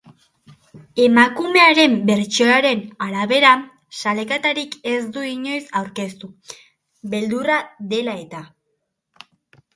Emakumearen bertsioaren arabera, salaketarik ez du inoiz aurkeztu, beldurra dela eta.